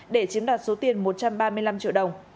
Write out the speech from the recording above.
để chiếm đoạt số tiền một trăm ba mươi năm triệu đồng